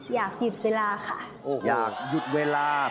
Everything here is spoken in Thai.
อยากหยุดเวลาค่ะ